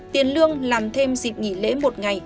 tiền lương làm thêm dịp nghỉ lễ một ngày